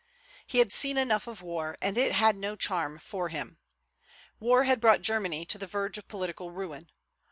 He had seen enough of war, and it had no charm for him. War had brought Germany to the verge of political ruin.